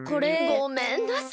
ごめんなさい！